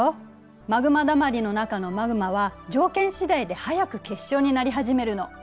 マグマ溜まりの中のマグマは条件次第で早く結晶になり始めるの。